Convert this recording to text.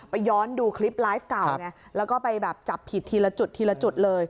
ไปย้อนดูคลิปไลฟ์เก่าแล้วก็ไปจับผิดทีละจุดเลย